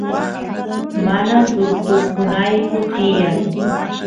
mana sustukunayku tiyan